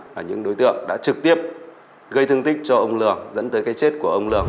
là những đối tượng đã trực tiếp gây thương tích cho ông lương dẫn tới cái chết của ông lương